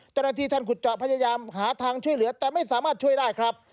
เจ้าหน้าที่ท่านขุดเจาะพยายามหาทางช่วยเหลือแต่ไม่สามารถช่วยได้ครับ